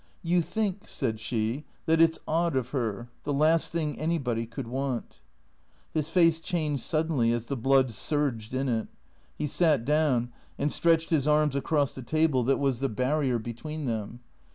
"You think," said she, "that it's odd of her — the last thing anybody could want ?" His face changed suddenly as the blood surged in it. He sat down, and stretched his arms across the table that was the bar 362 THE CREATORS rier between them.